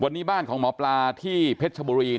วันนี้บ้านของหมอปลาที่เพชรชบุรี